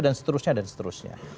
dan seterusnya dan seterusnya